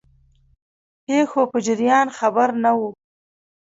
پیښو په جریان خبر نه وو.